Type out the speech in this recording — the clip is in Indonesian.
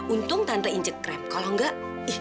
untung tante injek krep kalau enggak